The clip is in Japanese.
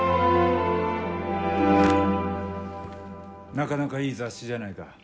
なかなかいい雑誌じゃないか。